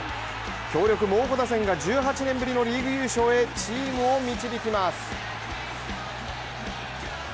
強力猛虎打線が１８年ぶりのリーグ優勝へチームを導きます。